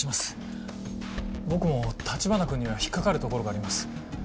僕も橘君には引っ掛かるところがあります。